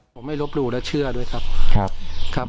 ผมไม่ลบหลู่และเชื่อด้วยครับ